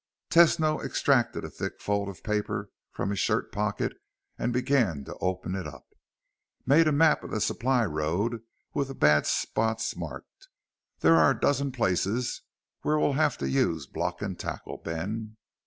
Tesno extracted a thick fold of paper from his shirt pocket and began to open it up. "Made a map of the supply road with the bad spots marked. There are a dozen places where we'll have to use block and tackle, Ben."